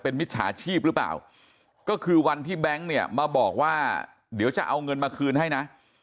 มิจฉาชีพหรือเปล่าก็คือวันที่แบงค์เนี่ยมาบอกว่าเดี๋ยวจะเอาเงินมาคืนให้นะ